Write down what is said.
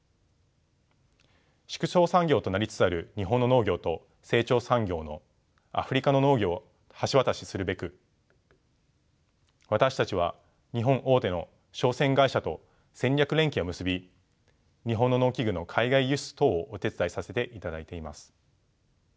縮小産業となりつつある日本の農業と成長産業のアフリカの農業を橋渡しするべく私たちは日本大手の商船会社と戦略連携を結び日本の農機具の海外輸出等をお手伝いさせていただいています。